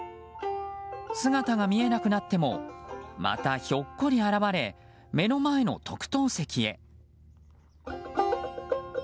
姿が見えなくなってもまたひょっこり現れ目の前の特等席へ。